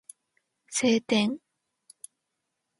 晴天